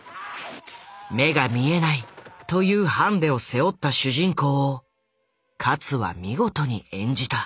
目が見えないというハンデを背負った主人公を勝は見事に演じた。